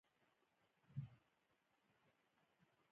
ایا زه باید کړکۍ خلاصه پریږدم؟